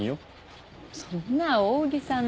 そんな大げさな。